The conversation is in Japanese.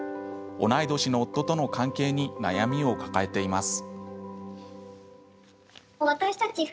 同い年の夫との関係に悩みを抱えています。